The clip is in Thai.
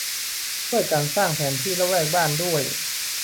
ช่วยกันสร้างแผนที่ละแวกบ้าน ด้วย